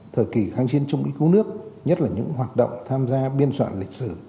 thời kỳ kháng chiến chống mỹ cứu nước nhất là những hoạt động tham gia biên soạn lịch sử